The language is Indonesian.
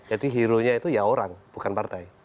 jadi hero nya itu ya orang bukan partai